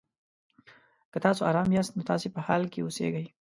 که تاسو ارامه یاست؛ نو تاسو په حال کې اوسېږئ.